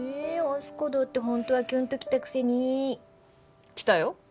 あす花だってホントはキュンときたくせにきたよ